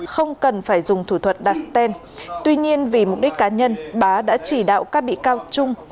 không cần phải dùng thủ thuật đặt stent tuy nhiên vì mục đích cá nhân bá đã chỉ đạo các bị cáo trung